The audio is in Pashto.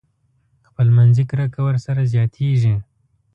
خپل منځي کرکه ورسره زياتېږي.